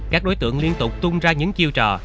các đối tượng liên tục tung ra những chiêu trò